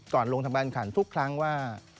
ก่อนลงทำการขันทุกครั้งว่า